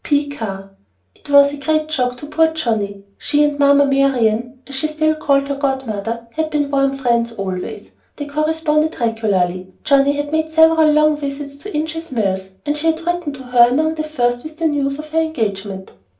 P. CARR. It was a great shock to poor Johnnie. She and "Mamma Marian," as she still called her god mother, had been warm friends always; they corresponded regularly; Johnnie had made her several long visits at Inches Mills, and she had written to her among the first with the news of her engagement.